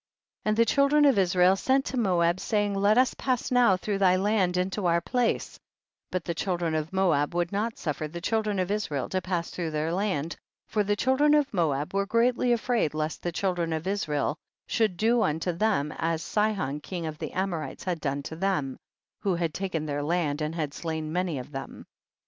10. And the children of Israel sent to Moab, saying, let us pass now through thy land into our place, but the children of Moab would not suf fer the children of Israel to pass through their land, for the children of Moab were greatly afraid lest the children of Israel should do unto them as Sihon king of the Amorites had done to them, who had taken their land and had slain many of them.